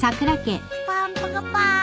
パンパカパーン。